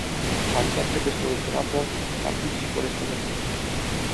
Aceasta trebuie soluționată rapid și corespunzător.